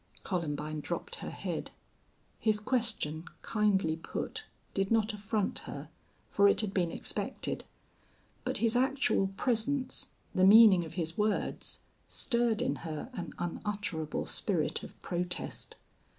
Columbine dropped her head. His question, kindly put, did not affront her, for it had been expected. But his actual presence, the meaning of his words, stirred in her an unutterable spirit of protest.